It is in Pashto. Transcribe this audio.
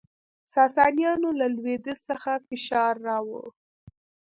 ساسانیانو له لویدیځ څخه فشار راوړ